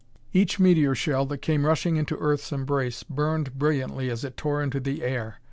Each meteor shell that came rushing into Earth's embrace burned brilliantly as it tore into the air.